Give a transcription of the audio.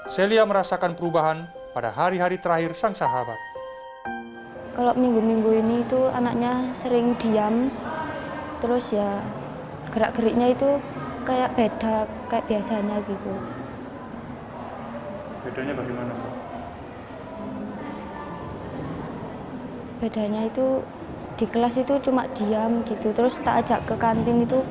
celia merasakan perubahan pada hari hari terakhir sang sahabat